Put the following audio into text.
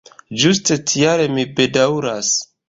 Ĝuste tial mi bedaŭras.